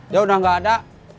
dia udah gak ada